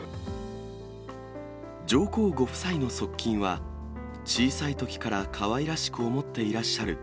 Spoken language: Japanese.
上皇ご夫妻の側近は、小さいときからかわいらしく思っていらっしゃる。